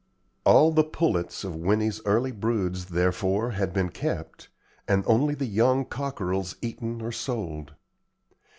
All the pullets of Winnie's early broods therefore had been kept, and only the young cockerels eaten or sold.